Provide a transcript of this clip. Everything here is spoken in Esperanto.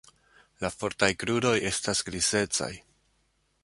La fortaj kruroj estas grizecaj.